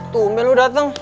tumel lo dateng